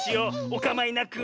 おかまいなく。